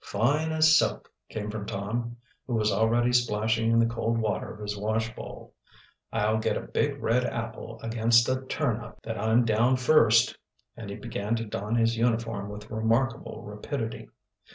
"Fine as silk," came from Tom, who was already splashing in the cold water of his washbowl. "I'll bet a big red apple against a turnip that I'm down first," and he began to don his uniform with remarkable rapidity.